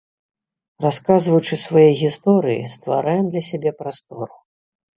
Расказваючы свае гісторыі, ствараем для сябе прастору.